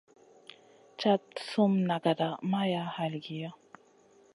Cad sum nagada maya halgiy.